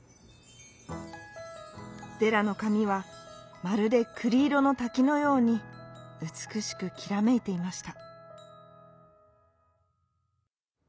デラのかみはまるでくりいろのたきのようにうつくしくきらめいていました。